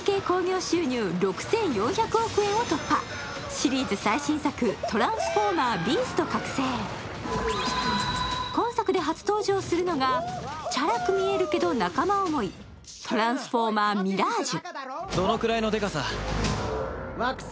シリーズ最新作、「トランスフォーマー／ビースト覚醒」今作で初登場するのがチャラく見えるけど仲間思い、トランスフォーマーミラージュ。